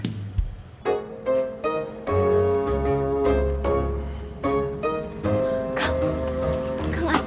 jangan bawa dengkul